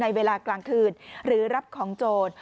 เวลากลางคืนหรือรับของโจร